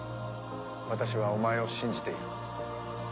私はお前を信じている。